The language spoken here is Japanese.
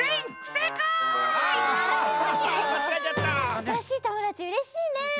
あたらしいともだちうれしいね！